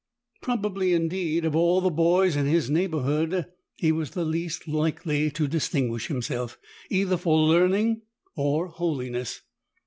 Probably indeed of all the boys in his neighbourhood he was the least likely to distinguish himself, either for learning or holiness.